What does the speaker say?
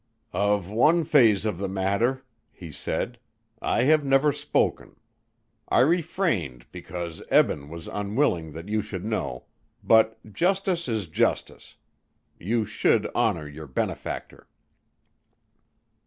"Of one phase of the matter," he said, "I have never spoken. I refrained because Eben was unwilling that you should know, but justice is justice you should honor your benefactor."